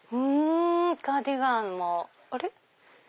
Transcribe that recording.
カーディガンもあれ？